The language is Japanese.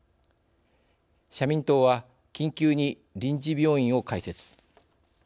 社民党は「緊急に臨時病院を開設」